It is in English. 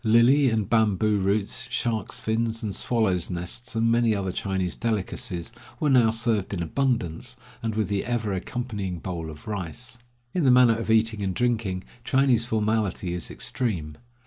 Lily and bamboo roots, sharks' fins and swallows' nests, and many other Chinese delicacies, were now served in abundance, and with the ever accompanying bowl of rice. In the matter of eating and drinking, Chinese formality is extreme.